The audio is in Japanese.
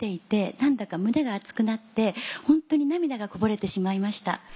何だか胸が熱くなってホントに涙がこぼれてしまいました。